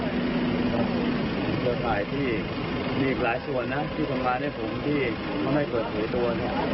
มีเครือข่ายที่มีอีกหลายส่วนที่สำคัญให้ผมที่เขาไม่เกิดเผยตัว